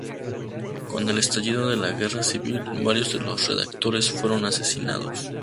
Con el estallido de la Guerra Civil, varios de los redactores fueron asesinados.